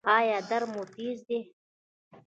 ایا درد مو تېز دی؟